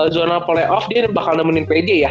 zona playoff dia bakal nemenin pj ya